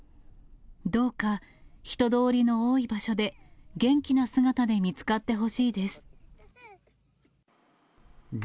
どうか人通りの多い場所で、元気な姿で見つかってほしい。